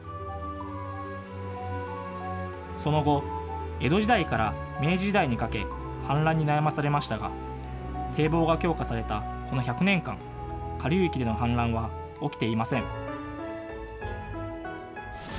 その後、江戸時代から明治時代にかけ氾濫に悩まされましたが堤防が強化されたこの１００年間、下流域での氾濫は起きていません。